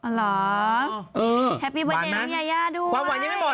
อ๋อเหรอแฮปปี้เบอร์เย็นลุงยายาดูไหมหวานยังไม่หมด